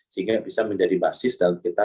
sehingga bisa menjadi basis dalam kita